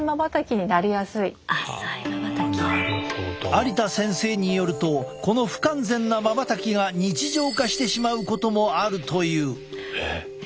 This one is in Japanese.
有田先生によるとこの不完全なまばたきが日常化してしまうこともあるという。